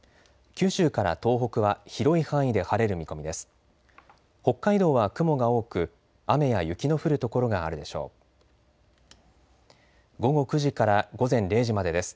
九州から東北は広い範囲で晴れる見込みです。